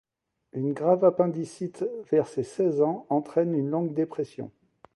Une grave appendicite vers ses seize ans entraîne une longue dépression.